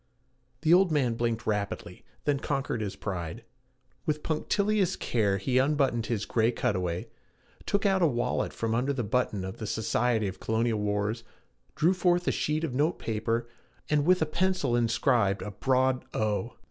The old man blinked rapidly, then conquered his pride. With punctilious care he unbuttoned his gray cutaway, took out a wallet from under the button of the Society of Colonial Wars, drew forth a sheet of note paper, and with a pencil inscribed a broad O.